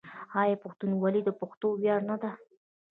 آیا پښتونولي د پښتنو ویاړ نه ده؟